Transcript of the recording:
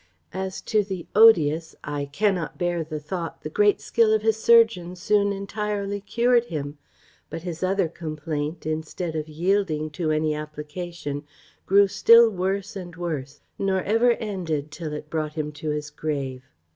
As to the odious I cannot bear the thought, the great skill of his surgeon soon entirely cured him; but his other complaint, instead of yielding to any application, grew still worse and worse, nor ever ended till it brought him to his grave.